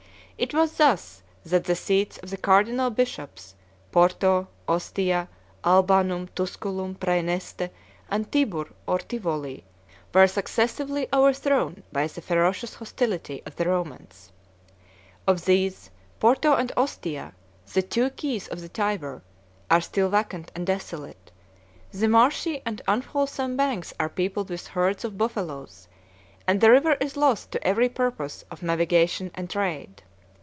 It was thus that the seats of the cardinal bishops, Porto, Ostia, Albanum, Tusculum, Præneste, and Tibur or Tivoli, were successively overthrown by the ferocious hostility of the Romans. 63 Of these, 64 Porto and Ostia, the two keys of the Tyber, are still vacant and desolate: the marshy and unwholesome banks are peopled with herds of buffaloes, and the river is lost to every purpose of navigation and trade.